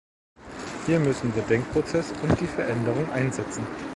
Hier müssen der Denkprozess und die Veränderung einsetzen.